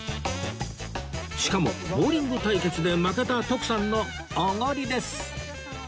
しかもボウリング対決で負けた徳さんのおごりです